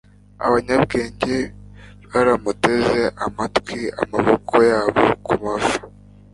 Abanyabwenge baramuteze amatwi amaboko yabo ku mavi